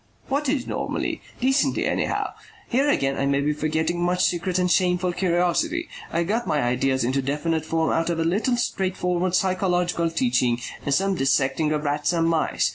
"What is normally? Decently, anyhow. Here again I may be forgetting much secret and shameful curiosity. I got my ideas into definite form out of a little straightforward physiological teaching and some dissecting of rats and mice.